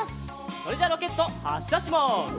それじゃあロケットはっしゃします。